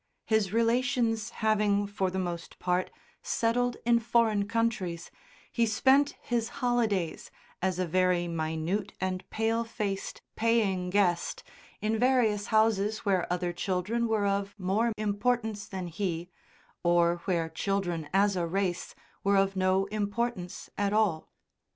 His relations having, for the most part, settled in foreign countries, he spent his holidays as a very minute and pale faced "paying guest" in various houses where other children were of more importance than he, or where children as a race were of no importance at all.